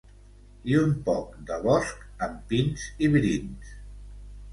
I un poc de bosc amb pins i brins.